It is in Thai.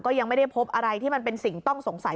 ยังไม่ได้พบอะไรที่มันเป็นสิ่งต้องสงสัย